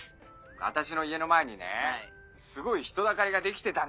私の家の前にねすごい人だかりができてたんですよ。